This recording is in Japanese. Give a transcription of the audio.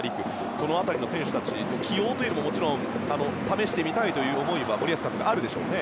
この辺りの選手たちの起用も試してみたいという思いは森保監督にはあるでしょうね。